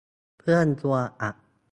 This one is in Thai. เพื่อนชวน อะ